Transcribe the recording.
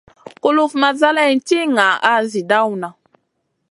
Kulufn ma zaleyn ti ŋaʼa zi dawna.